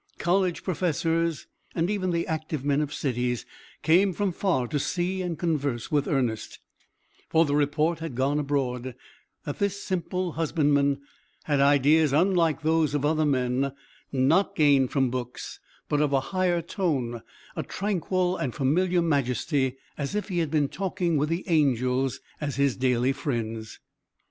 College professors, and even the active men of cities, came from far to see and converse with Ernest; for the report had gone abroad that this simple husbandman had ideas unlike those of other men, not gained from books, but of a higher tone a tranquil and familiar majesty, as if he had been talking with the angels as his daily friends.